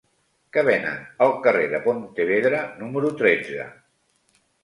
Què venen al carrer de Pontevedra número tretze?